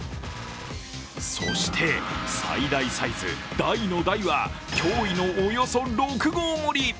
そして、最大サイズ大の大は驚異のおよそ６合盛り。